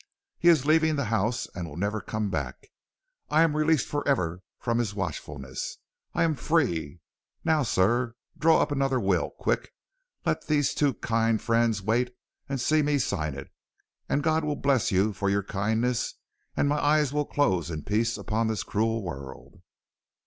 'He is leaving the house and will never come back. I am released forever from his watchfulness; I am free! Now, sir, draw up another will, quick; let these two kind friends wait and see me sign it, and God will bless you for your kindness and my eyes will close in peace upon this cruel world.'